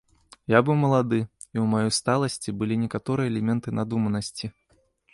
Я быў малады, і ў маёй сталасці былі некаторыя элементы надуманасці.